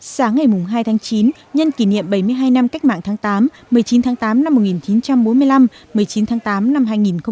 sáng ngày hai tháng chín nhân kỷ niệm bảy mươi hai năm cách mạng tháng tám một mươi chín tháng tám năm một nghìn chín trăm bốn mươi năm một mươi chín tháng tám năm hai nghìn một mươi chín